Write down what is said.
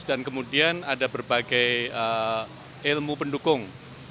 dan kemudian ada berbagai ilmu pendukung